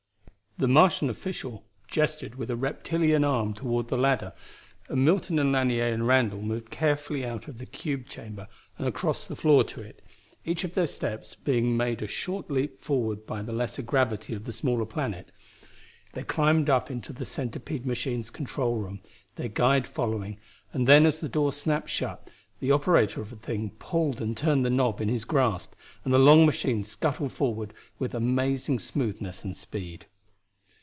The Martian official gestured with a reptilian arm toward the ladder, and Milton and Lanier and Randall moved carefully out of the cube chamber and across the floor to it, each of their steps being made a short leap forward by the lesser gravity of the smaller planet. They climbed up into the centipede machine's control room, their guide following, and then as the door snapped shut, the operator of the thing pulled and turned the knob in his grasp and the long machine scuttled forward with amazing smoothness and speed.